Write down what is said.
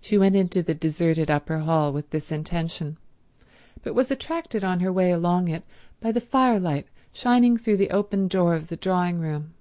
She went into the deserted upper hall with this intention, but was attracted on her way along it by the firelight shining through the open door of the drawing room.